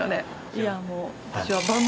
いやもう。